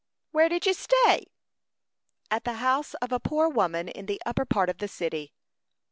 "Where did you stay?" "At the house of a poor woman in the upper part of the city."